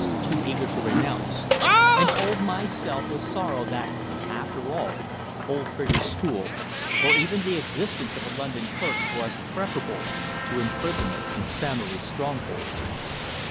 too eager to renounce, and told myself with sorrow that, after all, old Trigger's school, or even the existence of a London clerk, was preferable to imprisonment in Samory's stronghold.